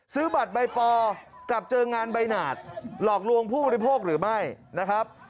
ซื้อบัตรใบปอกลับเจองานใบหนาดหลอกลวงผู้บริโภคหรือไม่นะครับ